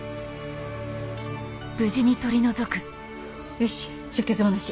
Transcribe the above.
よし出血もなし。